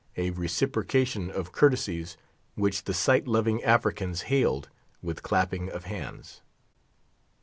A reciprocation of courtesies which the sight loving Africans hailed with clapping of hands.